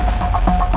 aku kasih tau